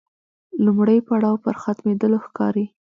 لومړی پړاو پر ختمېدلو ښکاري.